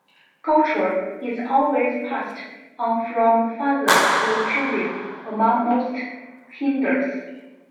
Gotra is always passed on from father to children among most Hindus.